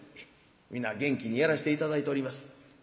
「皆元気にやらして頂いております」。